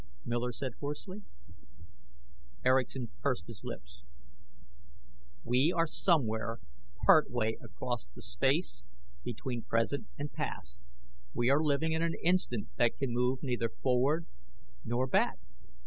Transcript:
Miller said hoarsely. Erickson pursed his lips. "We are somewhere partway across the space between present and past. We are living in an instant that can move neither forward nor back.